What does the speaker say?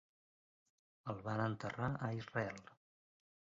El van enterrar a Israel.